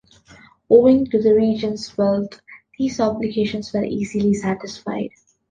Owing to the regions' wealth, these obligations were easily satisfied.